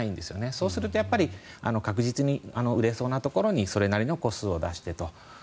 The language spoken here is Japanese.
そうすると確実に売れそうなところにそれなりの戸数を出してと。